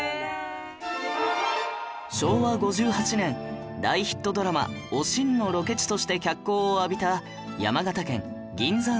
昭和５８年大ヒットドラマ『おしん』のロケ地として脚光を浴びた山形県銀山温泉